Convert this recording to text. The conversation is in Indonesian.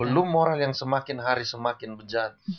belum moral yang semakin hari semakin bejat